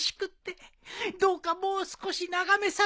どうかもう少し眺めさせておくれ。